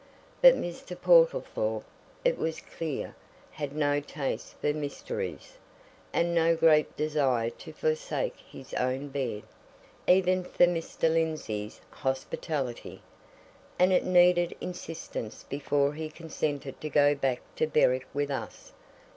But Mr. Portlethorpe, it was clear, had no taste for mysteries, and no great desire to forsake his own bed, even for Mr. Lindsey's hospitality, and it needed insistence before he consented to go back to Berwick with us.